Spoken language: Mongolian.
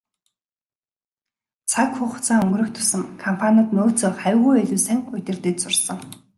Цаг хугацаа өнгөрөх тусам компаниуд нөөцөө хавьгүй илүү сайн удирдаж сурсан.